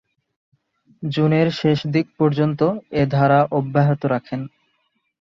জুনের শেষদিক পর্যন্ত এ ধারা অব্যাহত রাখেন।